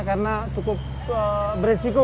karena cukup berisiko